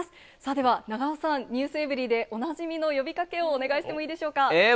では長尾さん、ｎｅｗｓｅｖｅｒｙ．でおなじみの呼びかけをお願いしてもいいえー？